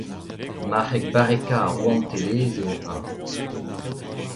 Marc'heg barrekañ ar rouantelezh eo eñ.